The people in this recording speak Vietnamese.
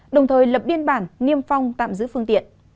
đồng thời lập biên bản niêm phong tạm giữ phương tiện